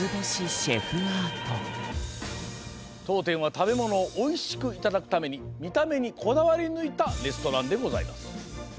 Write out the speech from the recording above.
とうてんは食べものをおいしくいただくためにみためにこだわりぬいたレストランでございます。